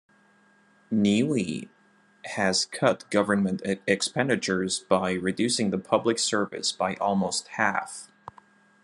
Niue has cut government expenditures by reducing the public service by almost half.